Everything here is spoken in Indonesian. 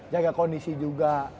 jaga kondisi juga